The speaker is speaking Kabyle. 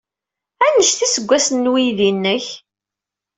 Anect iseggasen n weydi-nnek?